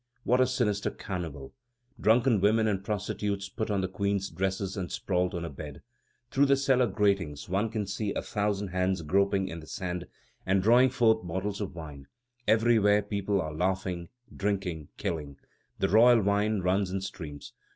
What a sinister carnival! Drunken women and prostitutes put on the Queen's dresses and sprawl on her bed. Through the cellar gratings one can see a thousand hands groping in the sand, and drawing forth bottles of wine. Everywhere people are laughing, drinking, killing. The royal wine runs in streams.